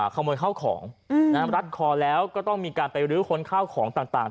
ขโมยข้าวของรัดคอแล้วก็ต้องมีการไปรื้อค้นข้าวของต่าง